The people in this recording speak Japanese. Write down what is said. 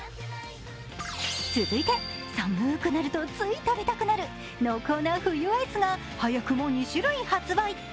続いて、寒くなると、つい食べたくなる濃厚な冬アイスが早くも２種類発売。